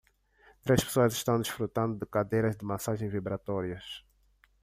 Três pessoas estão desfrutando de cadeiras de massagem vibratórias.